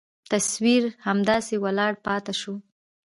تصوير همداسې ولاړ پاته سو.